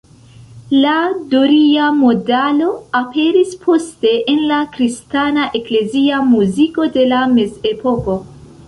La doria modalo aperis poste en la kristana eklezia muziko de la mezepoko.